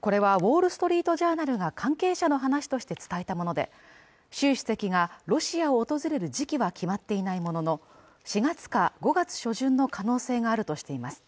これは「ウォール・ストリート・ジャーナル」が関係者の話として伝えたもので、習主席がロシアを訪れる時期は決まっていないものの、４月か５月初旬の可能性があるとしています。